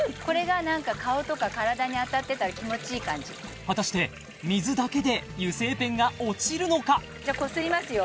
これが顔とか体にあたってたら気持ちいい感じ果たして水だけで油性ペンが落ちるのかじゃこすりますよ